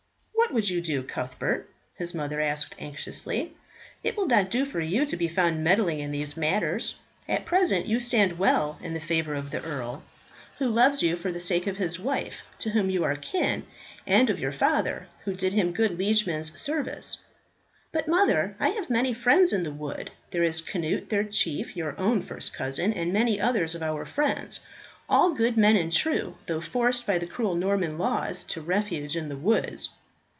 "What would you do, Cuthbert?" his mother asked anxiously. "It will not do for you to be found meddling in these matters. At present you stand well in the favour of the Earl, who loves you for the sake of his wife, to whom you are kin, and of your father, who did him good liegeman's service." "But, mother, I have many friends in the wood. There is Cnut, their chief, your own first cousin, and many others of our friends, all good men and true, though forced by the cruel Norman laws to refuge in the woods."